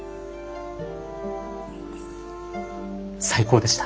最高でした。